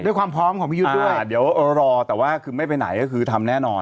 ความพร้อมของพี่ยุทธ์ด้วยเดี๋ยวรอแต่ว่าคือไม่ไปไหนก็คือทำแน่นอน